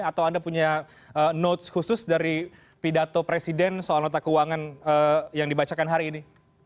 atau anda punya notes khusus dari pidato presiden soal nota keuangan yang dibacakan hari ini